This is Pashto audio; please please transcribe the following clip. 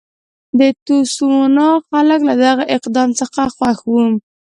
د تسوانا خلک له دغه اقدام څخه خوښ وو.